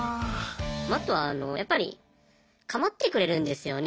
あとはあのやっぱり構ってくれるんですよね。